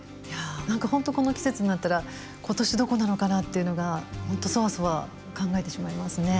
何か本当この季節になったら今年どこなのかなっていうのが本当そわそわ考えてしまいますね。